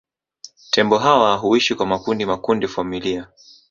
Tembo hawa huishi kwa makundi makundi familia